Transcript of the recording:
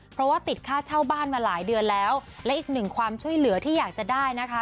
เพราะว่าติดค่าเช่าบ้านมาหลายเดือนแล้วและอีกหนึ่งความช่วยเหลือที่อยากจะได้นะคะ